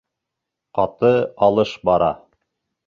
Ҡаты алыш бара.